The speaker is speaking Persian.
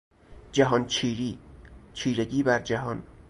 جهان چیری، چیرگی بر جهان